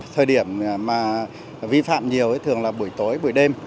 thời điểm mà vi phạm nhiều thì thường là buổi tối buổi đêm